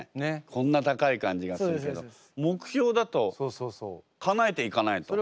こんな高い感じがするけど目標だとかなえていかないと。